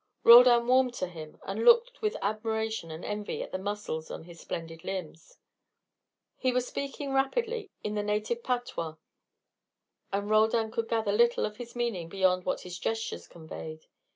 Roldan warmed to him, and looked with admiration and envy at the muscles on his splendid limbs. He was speaking rapidly in the native patois, and Roldan could gather little of his meaning beyond what his gestures conveyed.